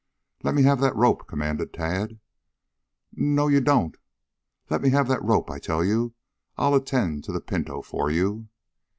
"Let me have that rope," commanded Tad. "N n no you don't." "Let me have that rope, I tell you. I'll attend to the pinto for you."